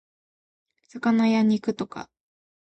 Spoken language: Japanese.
魚や肉とか